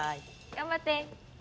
頑張って。